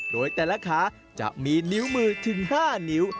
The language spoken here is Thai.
โดยแต่ละขาจะมีนิ้วมือถึง๕นิ้ว